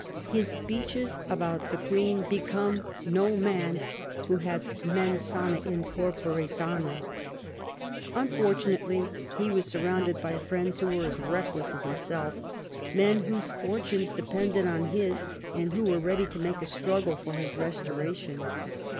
His speeches about the Queen become no man who has 'mens sana in corpore sano '. Unfortunately he was sur rounded by friends who were as reckless as himself, men whose fortunes depended on his and who were ready to make a struggle for his restoration.